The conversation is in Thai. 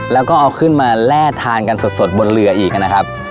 แล้วก็เอาขึ้นมาแล่ทานกันสดบนเรืออีกนะครับ